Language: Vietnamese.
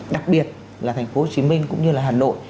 đặc biệt là thành phố hồ chí minh cũng như là hà nội